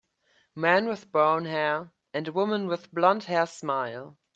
Man with brown hair and a woman with blondhair smile.